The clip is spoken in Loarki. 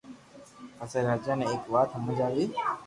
پسي راجا ني ايڪ وات ھمج آوي